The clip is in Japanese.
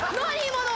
今の。